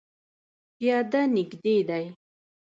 پیاده نږدې دی